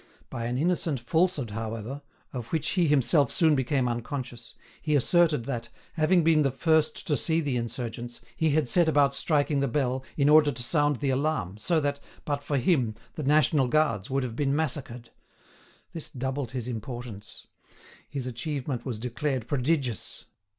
By an innocent falsehood, however, of which he himself soon became unconscious, he asserted that, having been the first to see the insurgents, he had set about striking the bell, in order to sound the alarm, so that, but for him, the national guards would have been massacred. This doubled his importance. His achievement was declared prodigious.